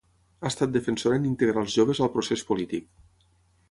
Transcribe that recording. Ha estat defensora en integrar els joves al procés polític.